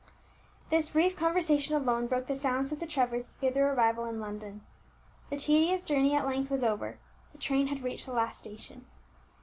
This brief conversation alone broke the silence of the Trevors ere their arrival in London. The tedious journey at length was over, the train had reached the last station.